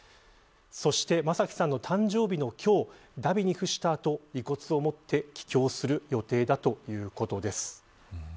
そして沙也加さんの誕生日の今日荼毘に付したあと、遺骨を持って帰京する予定ということです。